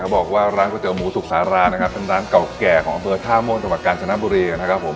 เขาบอกว่าร้านก๋วยเตี๋ยวหมูสุขาร้านนะครับเป็นร้านเก่าแก่ของเบอร์ท่าโมนตะวัดกาลชนะบุรีนะครับผม